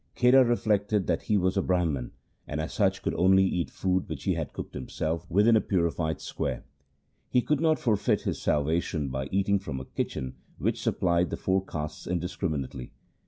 Kheda reflected that he was a Brahman, and as such could only eat food which he had cooked himself within a purified square. He could not forfeit his salvation by eating from a kitchen which supplied the four castes indiscriminately.